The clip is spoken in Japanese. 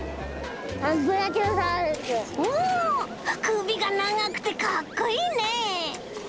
くびがながくてかっこいいね！